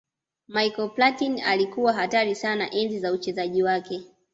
michael platin alikuwa hatari sana enzi za uchezaji wake